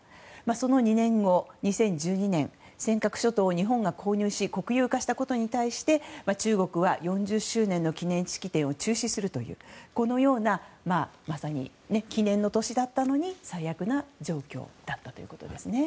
その２年後、２０１２年尖閣諸島を日本が購入し国有化したことに対して中国は４０周年の記念式典を中止するという記念の年だったのに最悪な状況だったということですね。